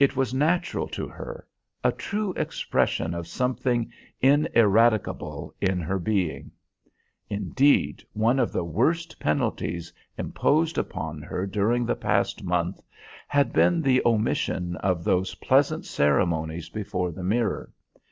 It was natural to her, a true expression of something ineradicable in her being. Indeed, one of the worst penalties imposed upon her during the past month had been the omission of those pleasant ceremonies before the mirror.